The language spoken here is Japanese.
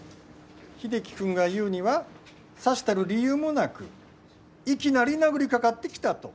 英樹君が言うにはさしたる理由もなくいきなり殴りかかってきたと。